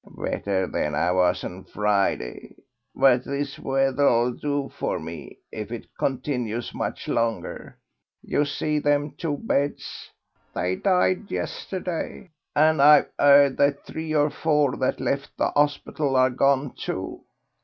"Better than I was on Friday, but this weather'll do for me if it continues much longer.... You see them two beds? They died yesterday, and I've 'eard that three or four that left the hospital are gone, too."